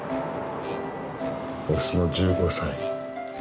オスの１５歳。